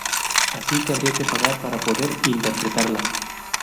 así que habría que pagar para poder interpretarlas